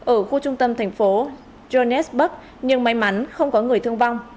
ở khu trung tâm thành phố johannesburg nhưng may mắn không có người thương vong